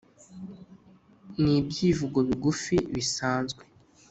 Ni ibyivugo bigufi bisanzwe,